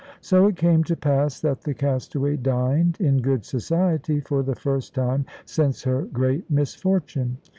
So it came to pass that the castaway dined in good society for the first time since her great misfortune.